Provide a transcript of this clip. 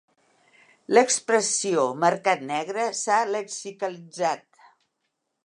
L'expressió 'mercat negre' s'ha lexicalitzat.